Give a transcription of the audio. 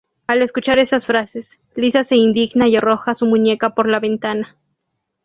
Al escuchar esas frases, Lisa se indigna y arroja su muñeca por la ventana.